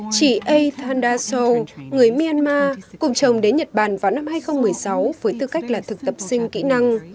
chị a thandaso người myanmar cùng chồng đến nhật bản vào năm hai nghìn một mươi sáu với tư cách là thực tập sinh kỹ năng